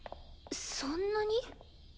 そんなに？